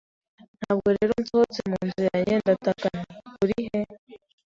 Ntabwo rero nsohotse mu nzu yanjye, ndataka nti "urihe?!"